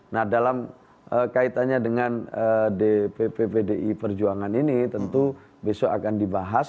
nah dalam kaitannya dengan dpp pdi perjuangan ini tentu besok akan dibahas